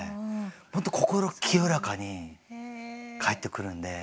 本当心清らかに帰ってくるんで。